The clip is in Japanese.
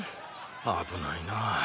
危ないな。